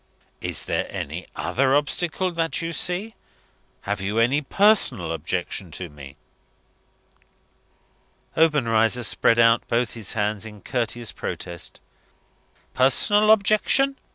Is there any other obstacle that you see? Have you any personal objection to me?" Obenreizer spread out both his hands in courteous protest. "Personal objection!"